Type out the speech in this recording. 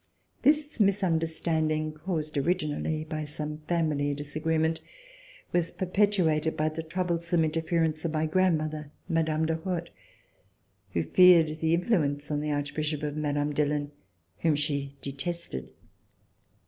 This misunderstanding, caused originally by some family disagreement, was perpetuated by the troublesome interference of my grandmother, Mme. de Rothe, who feared the in fluence on the Archbishop of Mile. Dillon, whom she detested.